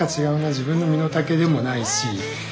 自分の身の丈でもないし。